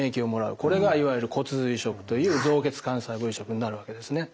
これがいわゆる骨髄移植という造血幹細胞移植になるわけですね。